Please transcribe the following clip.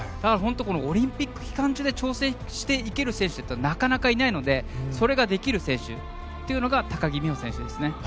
本当にオリンピック期間中で調整していける選手ってなかなかいないのでそれができる選手というのが高木美帆選手ですね。